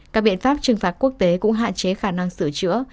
các biện pháp trừng phạt quốc tế cũng hạn chế khả năng sửa chữa